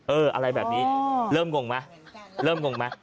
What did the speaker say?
อะไรแบบนี้เริ่มงงไหมเริ่มงงไหม